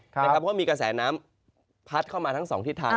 เพราะมีกระแสน้ำพัดเข้ามาทั้ง๒ทิศทาง